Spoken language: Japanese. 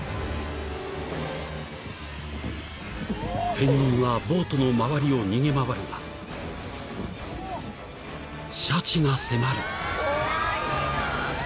［ペンギンはボートの周りを逃げ回るがシャチが迫る］